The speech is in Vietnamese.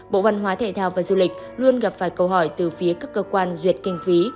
bộ văn hóa thể thao và du lịch luôn gặp phải câu hỏi từ phía các cơ quan duyệt kinh phí